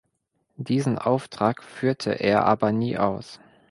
Diesen Auftrag führte er aber nie aus.